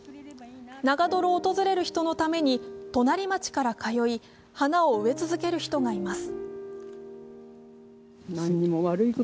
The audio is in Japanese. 長泥を訪れる人のために隣町から通い、花を植え続ける人がいます。